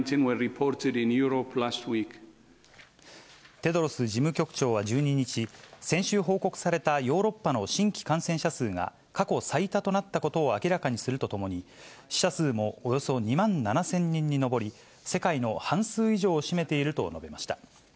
テドロス事務局長は１２日、先週報告されたヨーロッパの新規感染者数が過去最多となったことを明らかにするとともに、死者数もおよそ２万７０００人に上り、世界の半数以上を占めていると述べました。